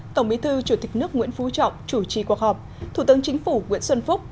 tổng bí thư chủ tịch nước nguyễn phú trọng chủ trì cuộc họp thủ tướng chính phủ nguyễn xuân phúc